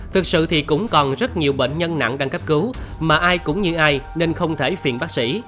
thực sự thì cũng còn rất nhiều bệnh nhân nặng đang cấp cứu mà ai cũng như ai nên không thể phiền bác sĩ